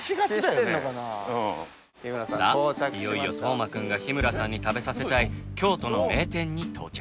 いよいよ斗真君が日村さんに食べさせたい京都の名店に到着。